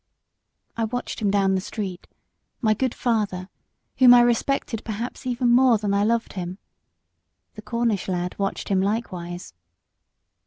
I watched him down the street my good father, whom I respected perhaps even more than I loved him. The Cornish lad watched him likewise.